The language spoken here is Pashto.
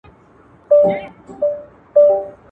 چا ویل؟ چي سوځم له انګار سره مي نه لګي.